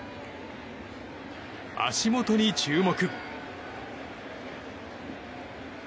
足元に注目。